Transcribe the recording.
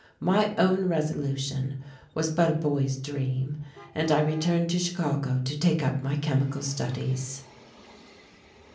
My own resolution was but a boy's dream and I returned to Chicago to take up my chemical studies.